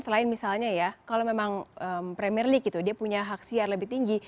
selain misalnya ya kalau memang premier league gitu dia punya hak siar lebih tinggi